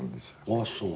ああそう？